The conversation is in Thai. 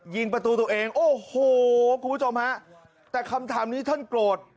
ยิงประตูตัวเองโอ้โหคุณผู้ชมฮะแต่คำถามนี้ท่านโกรธ